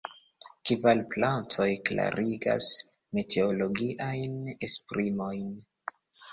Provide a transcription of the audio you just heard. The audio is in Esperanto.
Kvar platoj klarigas meteologiajn esprimojn.